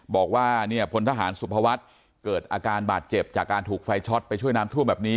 บอกว่าเนี่ยพลทหารสุภวัฒน์เกิดอาการบาดเจ็บจากการถูกไฟช็อตไปช่วยน้ำท่วมแบบนี้